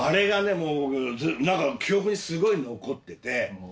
もう僕記憶にすごい残ってて。